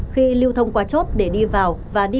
khi lưu thông hàng hóa